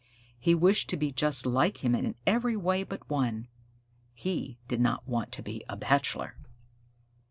He wished to be just like him in every way but one; he did not want to be a bachelor.